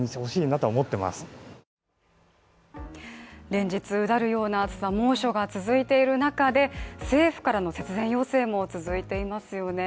連日うだるような暑さ、猛暑が続いている中で政府からの節電要請も続いていますよね。